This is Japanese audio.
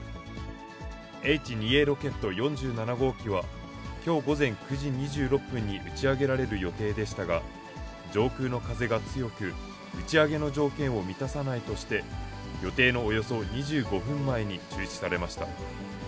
Ｈ２Ａロケット４７号機は、きょう午前９時２６分に打ち上げられる予定でしたが、上空の風が強く、打ち上げの条件を満たさないとして、予定のおよそ２５分前に中止されました。